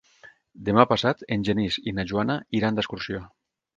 Demà passat en Genís i na Joana iran d'excursió.